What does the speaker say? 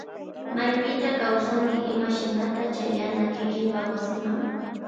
Maypita kawsanki imashinata chayana kikinpa wasima.